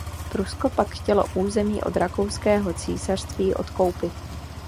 Prusko pak chtělo území od Rakouského císařství odkoupit.